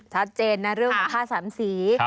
ชัดเจนนะเรื่องของผ้าสามสี